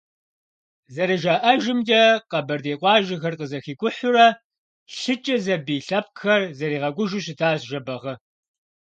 ЗэрыжаӀэжымкӀэ, къэбэрдей къуажэхэр къызэхикӀухьурэ, лъыкӀэ зэбий лъэпкъхэр зэригъэкӀужу щытащ Жэбагъы.